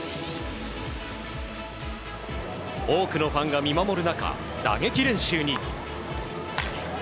多くのファンが見守る中打撃練習に。